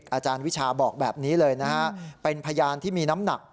อาจารย์วิชาบอกแบบนี้เลยนะฮะเป็นพยานที่มีน้ำหนัก